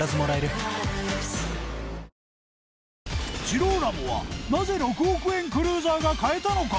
ジローラモはなぜ６億円クルーザーが買えたのか？